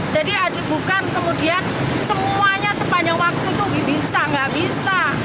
jadi adibukan kemudian semuanya sepanjang waktu itu bisa nggak bisa